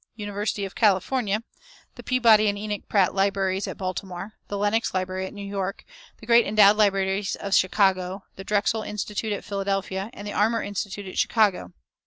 University of California, the Peabody and Enoch Pratt Libraries at Baltimore, the Lenox Library at New York, the great endowed libraries of Chicago, the Drexel Institute at Philadelphia, and the Armour Institute at Chicago.